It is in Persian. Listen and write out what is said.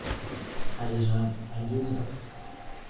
هیجان انگیز است.